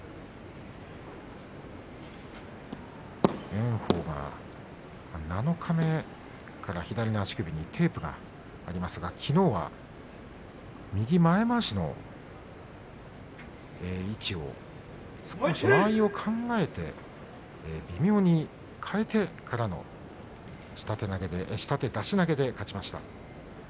炎鵬が七日目から左の足首にテープがありますがきのうは右前まわしの位置を間合いを考えて微妙に考えてからの下手出し投げで勝ちました。